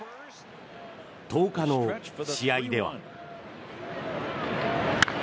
１０日の試合では。